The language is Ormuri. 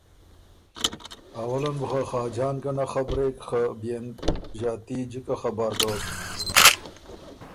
اوله ن بُو خه خاجان ګه نک خبرېک خه بيې ن ݫاتي جِکه خبر دوک